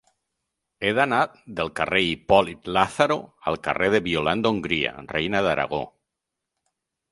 He d'anar del carrer d'Hipòlit Lázaro al carrer de Violant d'Hongria Reina d'Aragó.